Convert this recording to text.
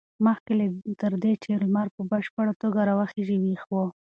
مخکې تر دې چې لمر په بشپړه توګه راوخېژي ویښ و.